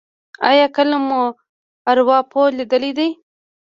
ایا کله مو ارواپوه لیدلی دی؟